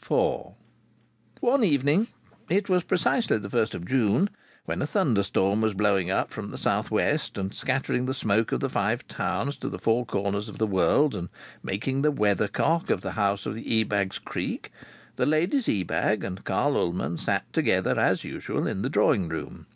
IV One evening it was precisely the first of June when a thunderstorm was blowing up from the south west, and scattering the smoke of the Five Towns to the four corners of the world, and making the weathercock of the house of the Ebags creak, the ladies Ebag and Carl Ullman sat together as usual in the drawing room.